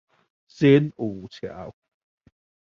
新武橋